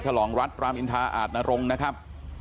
ฉลองรัฐปรามอินทาอาจนรงค์นะครับ